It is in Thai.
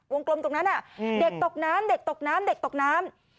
กลมตรงนั้นเด็กตกน้ำเด็กตกน้ำเด็กตกน้ำ